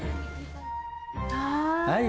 はい！